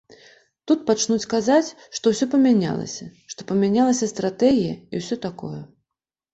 Тут пачнуць казаць, што ўсё памянялася, што памянялася стратэгія і ўсё такое.